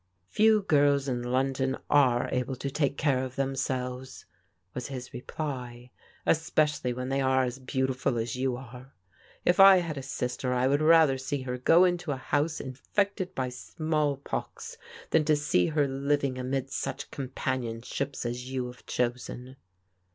" Few girls in London are able to take care of them selves," was his reply, " especially when they are as beau tiful as you are. If I had a sister I would rather see her go into a house infected by smallpox than to see her liv ing amidst such companionships as you have chosen."